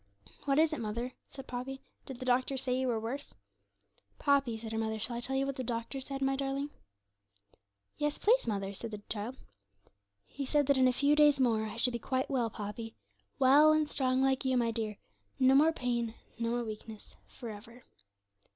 'What is it, mother?' said Poppy; 'did the doctor say you were worse?' 'Poppy,' said her mother, 'shall I tell you what the doctor said, my darling?' 'Yes, please, mother,' said the child. 'He said that in a few days more I should be quite well, Poppy; well and strong, like you, my dear no more pain no more weakness for ever.'